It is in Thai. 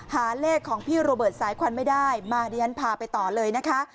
หาเลขของพี่โรเบิร์ตสายควันไม่ได้มาดิฉันพาไปต่อเลยนะคะ